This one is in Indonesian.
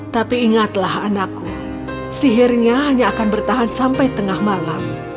tapi ingatlah anakku sihirnya hanya akan bertahan sampai tengah malam